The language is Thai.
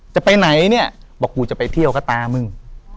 จะไปไหนเนี่ยบอกกูจะไปเที่ยวก็ตามึง